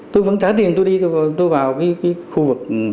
tôi vẫn trả tiền tôi đi tôi vào cái khu vực